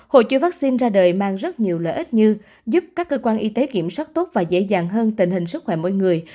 hội chứa vaccine ra đời mang rất nhiều lợi ích như giúp các cơ quan y tế kiểm soát tốt và dễ dàng hơn tình hình sức khỏe mỗi người